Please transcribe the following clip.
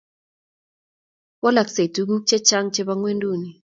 Walaksei tuguk chechang chebo gwenduni